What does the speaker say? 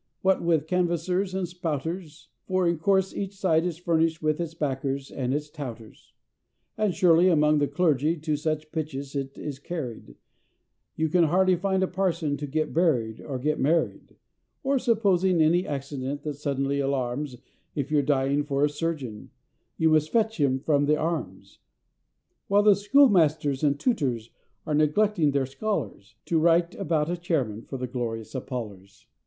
what with canvassers and spouters, For in course each side is furnish'd with its backers and its touters; And surely among the Clergy to such pitches it is carried, You can hardly find a Parson to get buried or get married; Or supposing any accident that suddenly alarms, If you're dying for a surgeon, you must fetch him from the "Arms"; While the Schoolmasters and Tooters are neglecting of their scholars, To write about a Chairman for the Glorious Apollers.